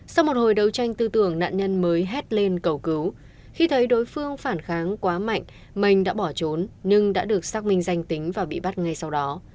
sau một hồi đấu tranh tư tưởng nạn nhân mới hét lên cầu cứu khi thấy đối phương phản kháng quá mạnh minh đã bỏ trốn nhưng đã được xác minh danh tính và bị bắt ngay sau đó